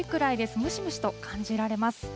ムシムシと感じられます。